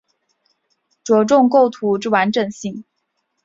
着重构图之完整性